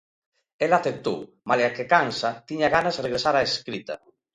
Ela aceptou: malia que cansa, tiña ganas regresar á escrita.